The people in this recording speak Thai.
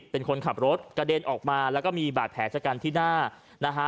เป็นคนขับรถกระเด็นออกมาแล้วก็มีบาดแผลชะกันที่หน้านะฮะ